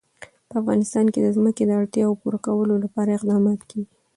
په افغانستان کې د ځمکه د اړتیاوو پوره کولو لپاره اقدامات کېږي.